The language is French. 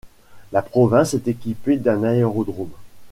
La province est équipée d'un aérodrome.